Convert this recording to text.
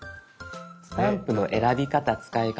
スタンプの選び方使い方